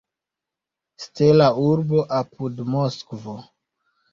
Stela Urbo apud Moskvo.